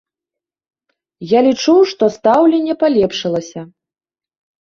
Я лічу, што стаўленне палепшылася.